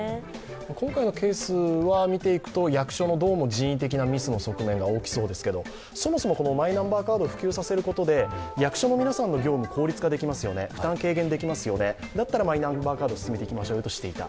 今回のケースは、見ていくと役所の人為的ミスが大きそうですけどそもそもマイナンバーカードを普及させることで役所の皆さんの業務、効率化できますよね、負担軽減できますよね、だったらマイナンバーカードを進めていきましょうとしていた。